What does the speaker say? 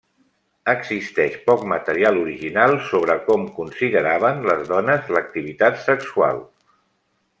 Existeix poc material original sobre com consideraven les dones l'activitat sexual.